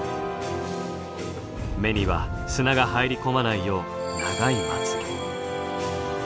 目には砂が入り込まないよう長いまつげ。